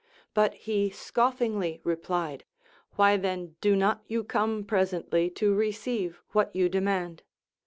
But he scoiRngly replied, Why then do not you come presently to receive what you demand?